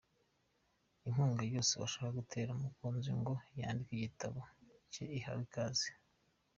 Inkunga yose washaka gutera Mukunzi ngo yandike igitabo ke ihawe ikaze!.